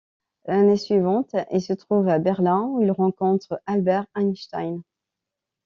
L'année suivante, il se trouve à Berlin où il rencontre Albert Einstein.